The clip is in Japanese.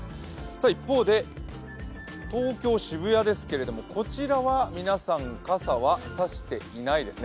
一方で、東京・渋谷ですけれども、こちらは皆さん傘は差していないですね。